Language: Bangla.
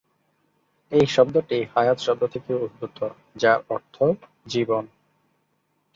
এই শব্দটি "হায়াত" শব্দ থেকে উদ্ভূত, যার অর্থ "জীবন"।